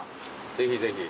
ぜひぜひ。